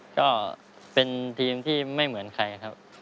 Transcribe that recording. ก็เป็นทีมที่ไม่เหมือนใครครับ